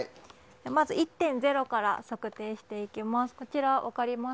まず１．０から測定していきます。